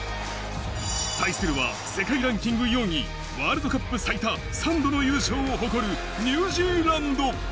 対するは世界ランキング４位、ワールドカップ最多３度の優勝を誇るニュージーランド。